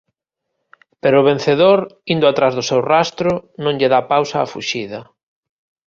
Pero o vencedor, indo atrás do seu rastro, non lle dá pausa á fuxida.